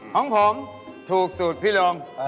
ของผมถูกสุดพี่ลง